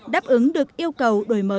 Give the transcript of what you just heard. đáp ứng được yêu cầu đổi mới của trường